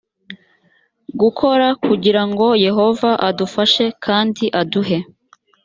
gukora kugira ngo yehova adufashe kandi aduhe